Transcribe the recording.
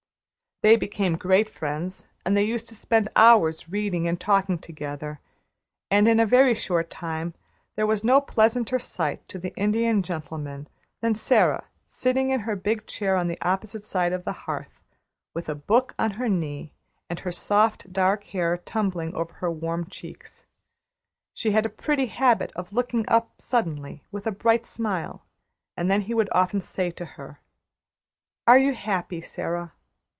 They became great friends, and they used to spend hours reading and talking together; and, in a very short time, there was no pleasanter sight to the Indian Gentleman than Sara sitting in her big chair on the opposite side of the hearth, with a book on her knee and her soft, dark hair tumbling over her warm cheeks. She had a pretty habit of looking up at him suddenly, with a bright smile, and then he would often say to her: "Are you happy, Sara?"